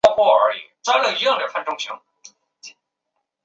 真核基因组通常大于原核生物。